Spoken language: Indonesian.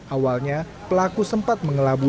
awalnya pelaku sempat mengelapar